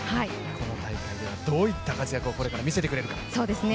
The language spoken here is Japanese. この大会ではどういった活躍をこれから見せてくれるか。